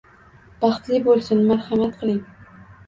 Baxtli boʻlsin, marhamat qiling.